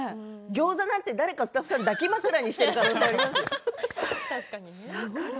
ギョーザなんて誰かスタッフさん抱き枕にしているかもしれない。